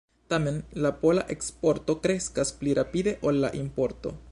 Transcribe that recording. Tamen la pola eksporto kreskas pli rapide ol la importo.